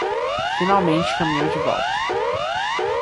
Finalmente caminhou de volta